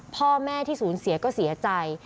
พ่อแม่ที่สูญเสียก็เสียใจ